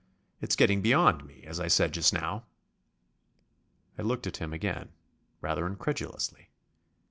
It's getting beyond me, as I said just now." I looked at him again, rather incredulously.